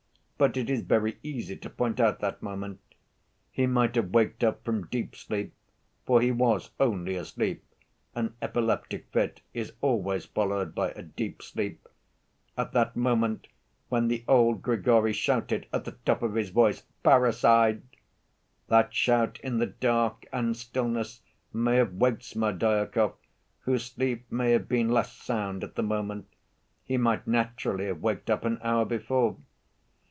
But it is very easy to point out that moment. He might have waked up from deep sleep (for he was only asleep—an epileptic fit is always followed by a deep sleep) at that moment when the old Grigory shouted at the top of his voice 'Parricide!' That shout in the dark and stillness may have waked Smerdyakov whose sleep may have been less sound at the moment: he might naturally have waked up an hour before.